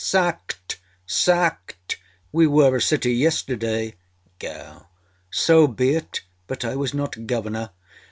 âSacked! Sacked! We were a city yesterday. GOW.âSo be it, but I was not governor.